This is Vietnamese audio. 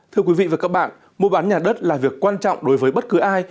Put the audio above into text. thưa quý vị và các bạn mua bán nhà đất là việc quan trọng đối với bất cứ ai